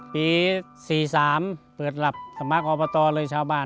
ปี๔๓เปิดหลับสมัครอบตเลยชาวบ้าน